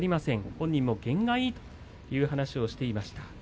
本人も験がいいという話をしていました。